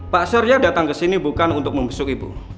pak surya datang kesini bukan untuk membesuk ibu